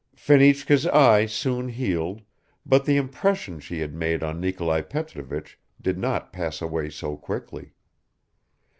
Fenichka's eye soon healed, but the impression she had made on Nikolai Petrovich did not pass away so quickly.